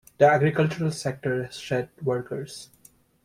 The agricultural sector shed workers.